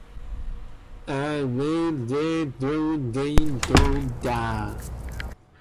A merger is when two companies join together to form a new one.